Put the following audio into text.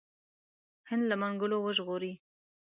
هند له منګولو وژغوري.